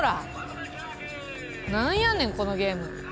何やねんこのゲーム。